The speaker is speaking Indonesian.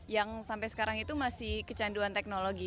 yang sampai sekarang itu masih kecanduan teknologi